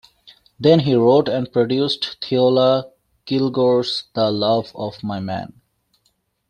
Then he wrote and produced Theola Kilgore's The Love Of My Man.